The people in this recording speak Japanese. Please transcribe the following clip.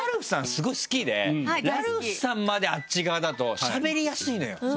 スゴい好きでラルフさんまであっち側だとしゃべりやすいのよ